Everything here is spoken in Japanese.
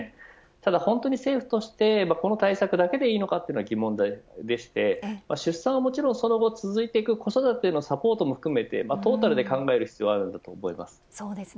ただ本当に政府としてこの対策だけでいいのかは疑問でして出産はもちろんその後続いていく子育てへのサポートも含めてトータルで考える必要があると思います。